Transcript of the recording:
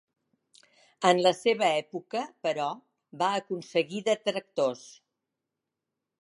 En la seva època, però, va aconseguir detractors.